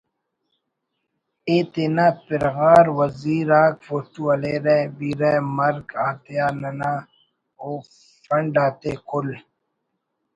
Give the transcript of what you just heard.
ءِ تینا پِرغار وزیر آک فوٹو ہلیرہ بیرہ مرک آتیا ننا او فنڈ آتے کُل